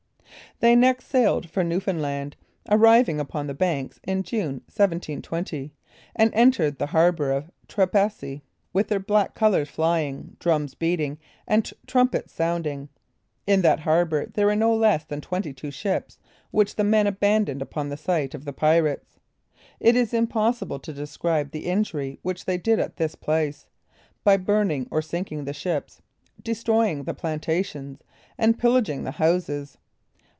They next sailed for Newfoundland, arriving upon the banks in June, 1720, and entered the harbor of Trepassi, with their black colors flying, drums beating, and trumpets sounding. In that harbor there were no less than twenty two ships, which the men abandoned upon the sight of the pirates. It is impossible to describe the injury which they did at this place, by burning or sinking the ships, destroying the plantations, and pillaging the houses.